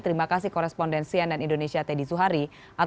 terima kasih korespondensi ann indonesia teddy zuhari